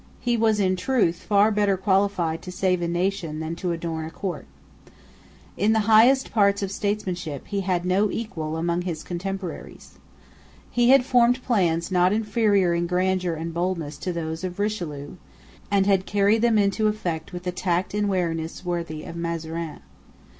He was in truth far better qualified to save a nation than to adorn a court. In the highest parts of statesmanship, he had no equal among his contemporaries. He had formed plans not inferior in grandeur and boldness to those of Richelieu, and had carried them into effect with a tact and wariness worthy of Mazarin.